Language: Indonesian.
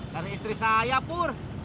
dari istri saya pur